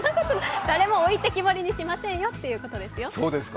誰も置いてけぼりにしませんよということですよ。